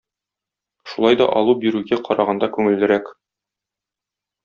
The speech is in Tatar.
Шулай да алу бирүгә караганда күңеллерәк.